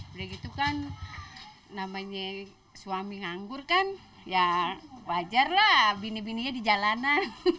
udah gitu kan namanya suami nganggur kan ya wajar lah bini bininya di jalanan